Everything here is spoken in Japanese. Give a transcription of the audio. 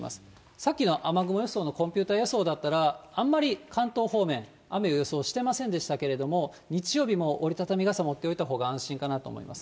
さっきの雨雲予想のコンピューター予想だったら、あんまり関東方面、雨を予想してませんでしたけれども、日曜日も折り畳み傘を持っておいたほうが安心かなと思います。